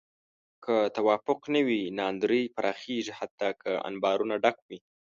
که توافق نه وي، ناندرۍ پراخېږي حتی که انبارونه ډک وي.